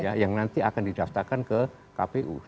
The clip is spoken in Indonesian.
ya yang nanti akan didaftarkan ke kpu